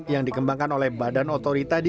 yang dikembangkan oleh badan otorita